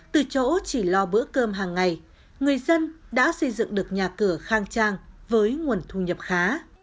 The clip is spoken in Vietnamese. từ chỗ chỉ lo bữa cơm hàng ngày người dân đã xây dựng được nhà cửa khang trang với nguồn thu nhập khá